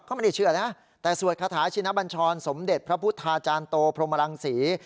เขาไม่ได้เชื่อนะแต่สวดคาถาชินบัญชรสมเด็จพระพุทธาจารย์โตพรหมรังศรี